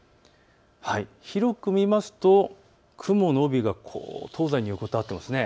広く見ると雲の帯が東西に横たわっています。